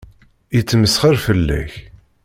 Yettmesxiṛ fell-ak.